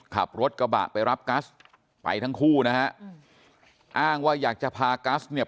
ขับรถกระบะไปรับกัสไปทั้งคู่นะฮะอ้างว่าอยากจะพากัสเนี่ย